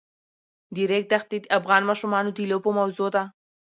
د ریګ دښتې د افغان ماشومانو د لوبو موضوع ده.